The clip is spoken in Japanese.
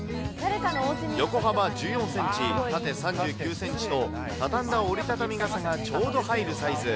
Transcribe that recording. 横幅１４センチ、縦３９センチと、畳んだ折り畳み傘がちょうど入るサイズ。